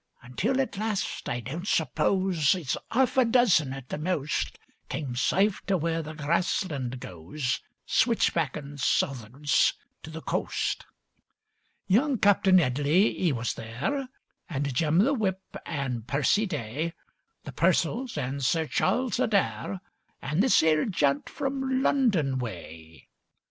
Until at last I don't suppose As 'arf a dozen, at the most, Came safe to where the grassland goes Switchbackin' southwards to the coast. Young Captain 'Eadley, 'e was there, And Jim the whip an' Percy Day; The Purcells an' Sir Charles Adair, An' this 'ere gent from London way.